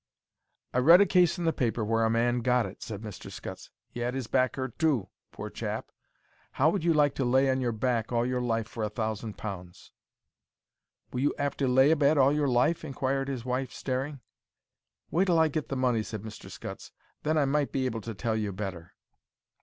"I read a case in the paper where a man got it," said Mr. Scutts. "He 'ad his back 'urt too, pore chap. How would you like to lay on your back all your life for a thousand pounds?" "Will you 'ave to lay abed all your life?" inquired his wife, staring. "Wait till I get the money," said Mr. Scutts; "then I might be able to tell you better."